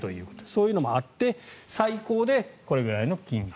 そういうのもあって最高でこれぐらいの金額。